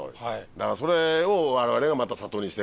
だからそれを我々がまた里にしてると。